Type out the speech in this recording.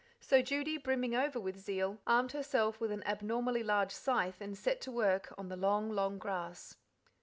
So Judy, brimming over with zeal, armed herself with an abnormally large scythe, and set to work on the long, long grass.